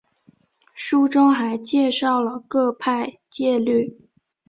书中还介绍了各派戒律。